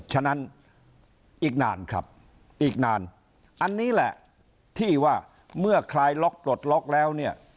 ฉะนั้นอีกนานครับอันนี้แหละที่ว่าเมื่อคลายล็อคตลอดล็อคแล้ว